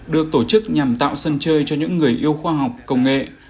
được tổ chức nhằm tạo sân chơi cho những người yêu khoa học công nghệ